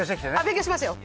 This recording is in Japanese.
勉強しましたよ。